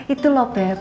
itu loh beb